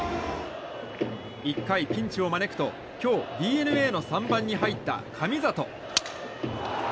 １回ピンチを招くと今日ＤｅＮＡの３番に入った神里。